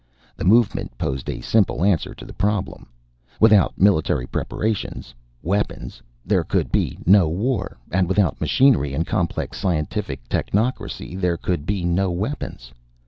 The Movement posed a simple answer to the problem: Without military preparations weapons there could be no war. And without machinery and complex scientific technocracy there could be no weapons.